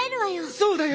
そうだよ。